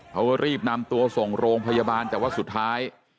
เขาก็รีบนำตัวส่งโรงพยาบาลแต่ว่าสุดท้าย